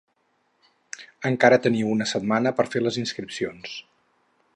Encara teniu una setmana per fer les inscripcions.